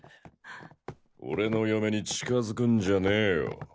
俺の嫁に近づくんじゃねえよ。